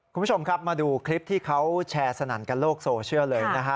คุณผู้ชมครับมาดูคลิปที่เขาแชร์สนั่นกันโลกโซเชียลเลยนะฮะ